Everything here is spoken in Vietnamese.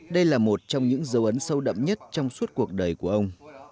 đây là một trong những dấu ấn sâu đậm nhất trong suốt cuộc đời của ông